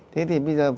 thế thì bây giờ